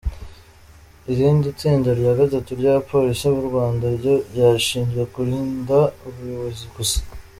Irindi tsinda rya gatatu ry’abapolisi b’u Rwanda ryo rishinzwe kurinda abayobozi gusa.